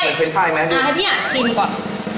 เหมือนเฟรนด์ไฟไหมเอาให้พี่อันชิมก่อน